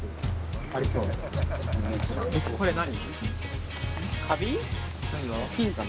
これ何？